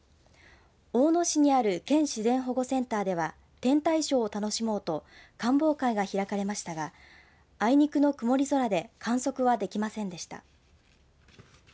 大野市にある県自然保護センターでは天体ショーを楽しもうと観望会が開かれましたがあいにくの曇り空で観測はできませんでした。